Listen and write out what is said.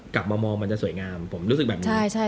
กลับมามองมันจะสวยงามผมรู้สึกแบบนี้